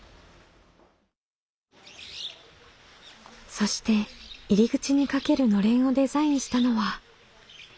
そして入り口にかける暖簾をデザインしたのは。